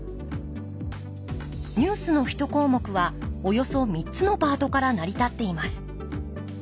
ニュースの１項目はおよそ３つのパートから成り立っています。